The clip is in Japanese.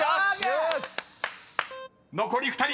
［残り２人。